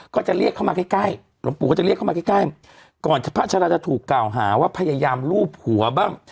ก็จะเรียกเข้ามาใกล้ใกล้หลวงปู่ก็จะเรียกเข้ามาใกล้ใกล้ก่อนพระชาราจะถูกกล่าวหาว่าพยายามลูบหัวบ้าง